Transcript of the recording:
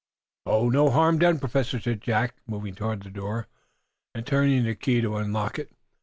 "No harm done, Professor," said Jack, moving toward the door, and turning the key to unlock it.